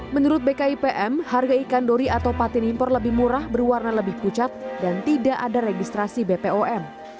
menurut bkipm harga ikan dori atau patin impor lebih murah berwarna lebih pucat dan tidak ada registrasi bpom